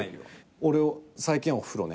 俺最近お風呂ね。